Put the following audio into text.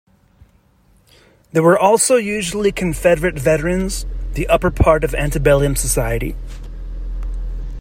They were also usually Confederate veterans, the upper part of antebellum society.